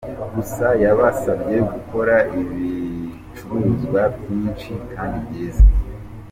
Gusa yabasabye gukora ibicuruzwa byinshi kandi byiza.